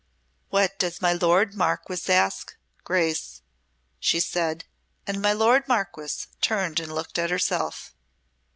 "What does my lord Marquess ask, Grace?" she said; and my lord Marquess turned and looked at herself.